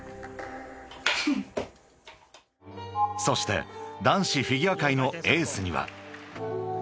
［そして男子フィギュア界のエースには］